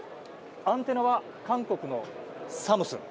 アンテナは韓国のサムスン。